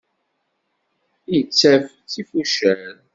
Ittaf d tifucal.